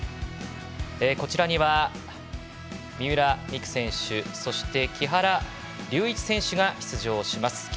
こちらには、三浦璃来選手そして木原龍一選手が出場します。